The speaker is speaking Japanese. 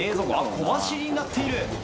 小走りになっている。